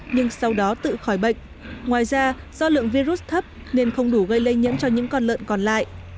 nhưng sau đó tự khỏi bệnh ngoài ra do lượng virus thấp nên không đủ gây lây nhiễm cho những con lợn còn lại